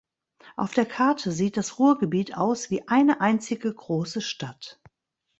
Auf der Karte sieht das Ruhrgebiet aus wie eine einzige große Stadt.